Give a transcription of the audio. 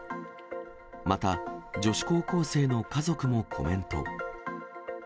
また、女子高校生の家族もコメント。